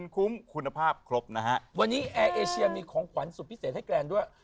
คุ้มคุณภาพครบนะฮะวันนี้แอร์เอเชียมีของขวัญสุดพิเศษให้แกรนด้วย